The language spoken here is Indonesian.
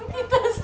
kita sedih sus